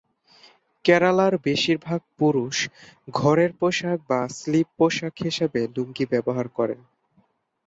কেরালার বেশিরভাগ পুরুষ ঘরের পোশাক বা স্লিপ পোশাক হিসাবে লুঙ্গি ব্যবহার করেন।